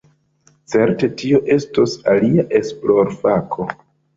Certe tio estos alia esplorfako.